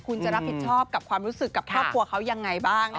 คุณจะรับผิดชอบกับความรู้สึกกับครอบครัวเขายังไงบ้าง